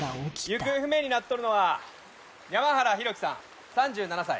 行方不明になっとるのは山原浩喜さん３７歳。